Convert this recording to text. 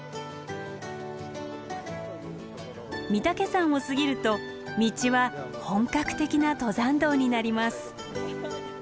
御岳山を過ぎると道は本格的な登山道になります。